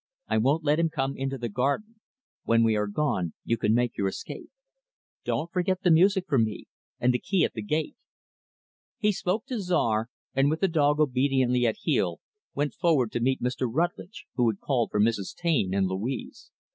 "I won't let him come into the garden. When we are gone, you can make your escape. Don't forget the music for me, and the key at the gate." He spoke to Czar, and with the dog obediently at heel went forward to meet Mr. Rutlidge, who had called for Mrs. Taine and Louise.